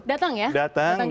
datang ya datang ke indonesia